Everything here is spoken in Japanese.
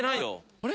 あれ？